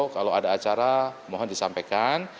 kalau ada acara mohon disampaikan